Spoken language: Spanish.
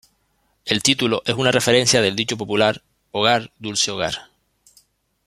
El título es una referencia del dicho popular "Hogar, dulce hogar".